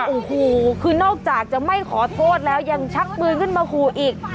โอ้โหคือนอกจากจะไม่ขอโทษแล้วยังชักปืนขึ้นมาขู่อีก